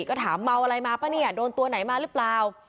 ก็ถามเมาอะไรมาป่ะเนี่ยโดนตัวไหนมาหรือเปล่า